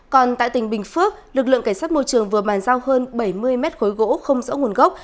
còn tại tỉnh bình phước lực lượng cảnh sát môi trường vừa bàn giao hơn bảy mươi mét khối gỗ không rõ nguồn gốc